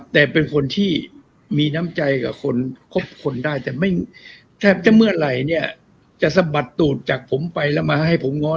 แต่เป็นคนที่มีน้ำใจกับคนครบคนได้แต่ไม่แทบจะเมื่อไหร่เนี่ยจะสะบัดตูดจากผมไปแล้วมาให้ผมง้อ